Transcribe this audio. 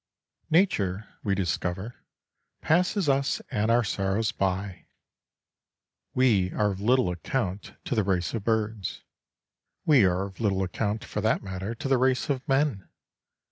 Nature, we discover, passes us and our sorrows by. We are of little account to the race of birds. We are of little account, for that matter, to the race of men.